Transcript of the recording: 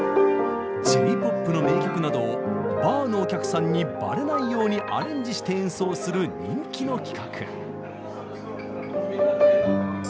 Ｊ−ＰＯＰの名曲などをバーのお客さんにバレないようにアレンジして演奏する人気の企画。